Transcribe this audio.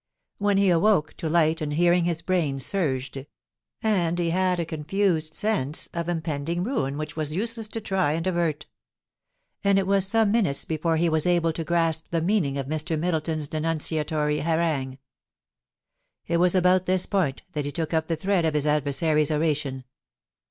When he awoke to light and hearing his brain surged, and he had a confused sense of impending ruin which it was useless to try and avert ; and it was some minutes before he was able to grasp the meaning of Mr. Middleton's denun ciatory harangue. It was about this point that he took up the thread of his adversary's oration.